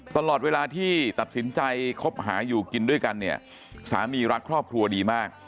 ตลอดเวลาที่ตัดสินใจคบหาอยู่กินด้วยกันเนี่ยสามีรักครอบครัวดีมาก